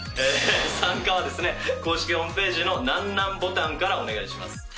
参加はですね公式ホームページのなんなんボタンからお願いします